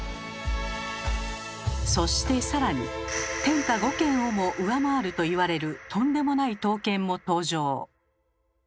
そして更に天下五剣をも上回ると言われるとんでもない刀剣も登場。